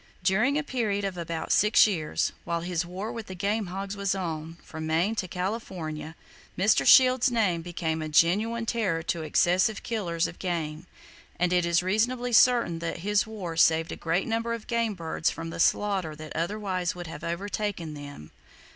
During a period of about six years, while his war with the game hogs was on, from Maine to California, Mr. Shields's name became a genuine terror to excessive killers of game; and it is reasonably certain that his war saved a great number of game birds from the slaughter that otherwise would have overtaken them!